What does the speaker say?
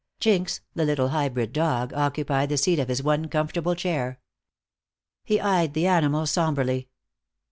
Jinx, the little hybrid dog, occupied the seat of his one comfortable chair. He eyed the animal somberly.